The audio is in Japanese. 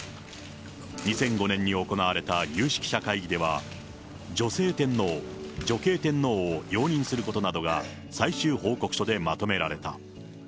２００５年に行われた有識者会議では、女性天皇、女系天皇を容認することなどが、最終報告書でまとめられた。